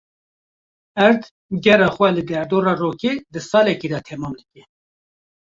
Erd gera xwe li derdora rokê di salekê de temam dike.